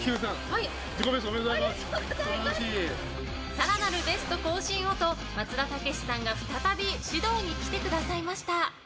更なるベスト更新をと松田丈志さんが再び指導に来てくださいました。